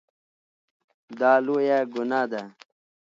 دا لویه ګناه ده.